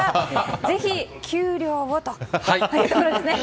ぜひ給料をというところですね。